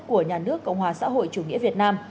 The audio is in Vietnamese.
của nhà nước cộng hòa xã hội chủ nghĩa việt nam